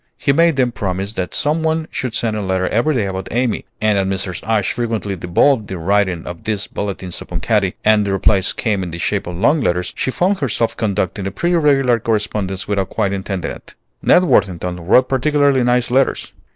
He made them promise that some one should send a letter every day about Amy; and as Mrs. Ashe frequently devolved the writing of these bulletins upon Katy, and the replies came in the shape of long letters, she found herself conducting a pretty regular correspondence without quite intending it. Ned Worthington wrote particularly nice letters.